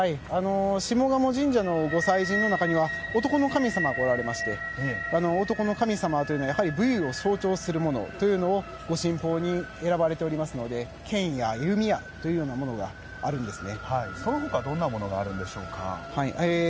こちらを皆さんお持ちいただいている方がここから見えますと下鴨神社の御祭神の中には男の神様がおられまして男の神様というのは武勇を象徴するものというのを御神宝に選ばれておりますので剣や弓矢というものがあるんですね。